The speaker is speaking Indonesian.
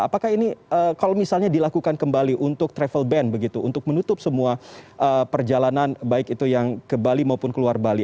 apakah ini kalau misalnya dilakukan kembali untuk travel ban begitu untuk menutup semua perjalanan baik itu yang ke bali maupun keluar bali